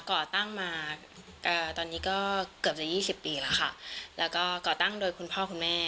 ก่อตั้งมาตอนนี้ก็เกือบจะยี่สิบปีแล้วค่ะแล้วก็ก่อตั้งโดยคุณพ่อคุณแม่